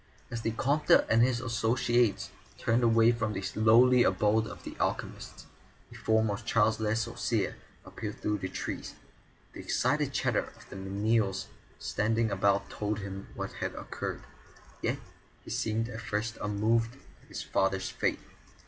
As the Comte and his associates turned away from the lowly abode of the alchemists, the form of Charles Le Sorcier appeared through the trees. The excited chatter of the menials standing about told him what had occurred, yet he seemed at first unmoved at his father's fate.